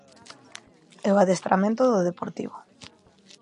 E o adestramento do Deportivo.